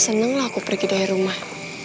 ya seneng lah aku pergi dari rumah